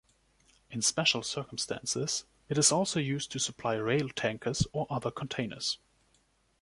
in special circumstances it is also used to supply rail tankers or other containers.